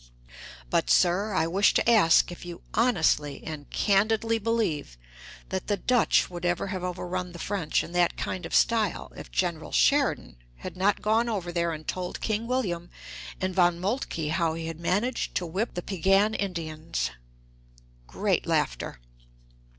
But, sir, I wish to ask if you honestly and candidly believe that the Dutch would have ever overrun the French in that kind of style if General Sheridan had not gone over there and told King William and Von Moltke how he had managed to whip the Piegan Indians. (Great laughter.)